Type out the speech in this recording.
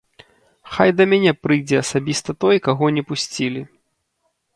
Хай да мяне прыйдзе асабіста той, каго не пусцілі.